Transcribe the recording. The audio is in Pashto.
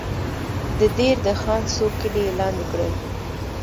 د دیر د خان څو کلي یې لاندې کړل.